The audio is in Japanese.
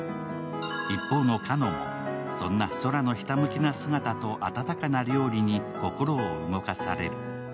一方の花野もそんな宙のひたむきな姿と温かな料理に心を動かされる。